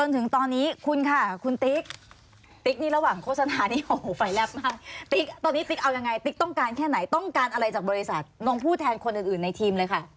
ติ๊กตอนนี้ติ๊กเอายังไงติ๊กต้องการแค่ไหนต้องการอะไรจากบริษัทนายพูดแทนคนอื่นในทีมละค่ะ